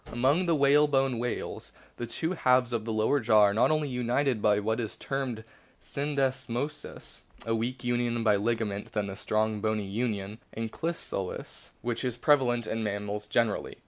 Amoncr the whalebone whales the two halves of o the lower jaw are only united by what is termed syndesmosis, a weaker union by ligaments than the strong, bony union (" ankylosis "), which is prevalent in mammals generally.